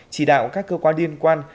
chỉ đạo các cơ quan liên quan